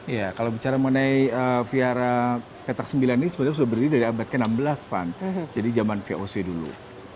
iya kalau bicara mengenai vihara petak sembilan ini sebenarnya sudah berdiri dari abad ke enam belas van jadi zaman voc dulu